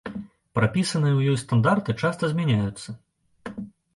Прапісаныя ў ёй стандарты часта змяняюцца.